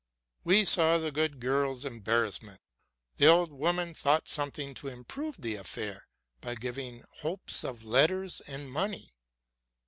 We saw the good girl's embar rassment. The old womane thought somewhat to improve the affair by giving hopes of letters and money.